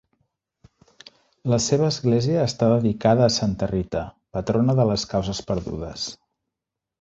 La seva església està dedicada a Santa Rita, patrona de les causes perdudes.